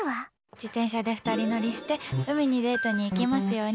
自転車で２人乗りして海にデートに行けますように。